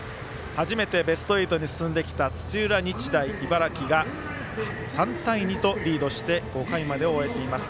初めてベスト８に進んできた土浦日大、茨城が３対２とリードして５回までを終えています。